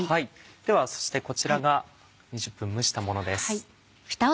ではそしてこちらが２０分蒸したものです。